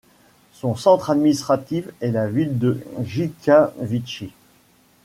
Son centre administratif est la ville de Jytkavitchy.